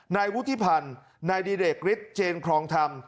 นายวุฒิพันธ์นายดิเดกฤทธิ์เจนครองธรรม